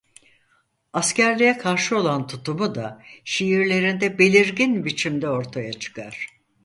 Askerliğe karşı olan tutumu da şiirlerinde belirgin biçimde ortaya çıkar.